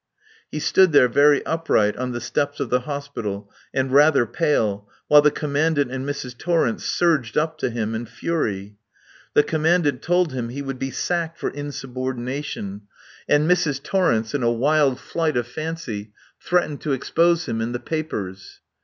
He stood there, very upright, on the steps of the Hospital, and rather pale, while the Commandant and Mrs. Torrence surged up to him in fury. The Commandant told him he would be sacked for insubordination, and Mrs. Torrence, in a wild flight of fancy, threatened to expose him "in the papers."